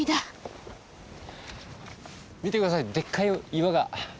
見て下さいでっかい岩が。